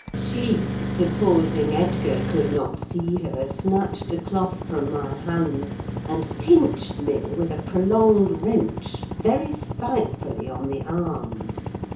She, supposing Edgar could not see her, snatched the cloth from my hand, and pinched me, with a prolonged wrench, very spitefully on the arm.